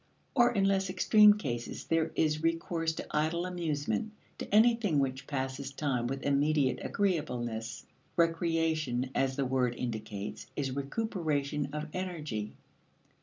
Or, in less extreme cases, there is recourse to idle amusement; to anything which passes time with immediate agreeableness. Recreation, as the word indicates, is recuperation of energy.